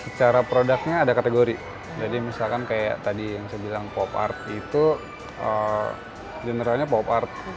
secara produknya ada kategori jadi misalkan kayak tadi yang saya bilang pop art itu generalnya pop art